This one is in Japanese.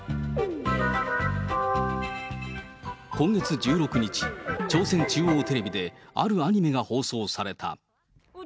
今月１６日、朝鮮中央テレビであるアニメが放送された。